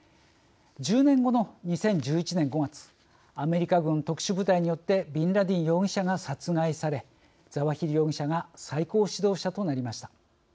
１０年後の２０１１年５月アメリカ軍特殊部隊によってビンラディン容疑者が殺害されザワヒリ容疑者が最高指導者となりました。